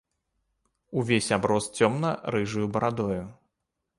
Увесь аброс цёмна-рыжаю барадою.